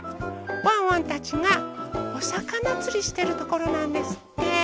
ワンワンたちがおさかなつりしてるところなんですって。